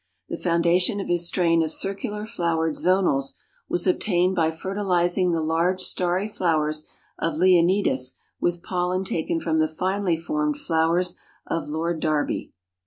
The foundation of his strain of circular flowered Zonals was obtained by fertilizing the large starry flowers of Leonidas with pollen taken from the finely formed flowers of Lord Derby.